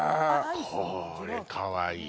これ、かわいい。